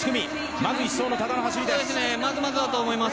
まず１走、多田の走りです。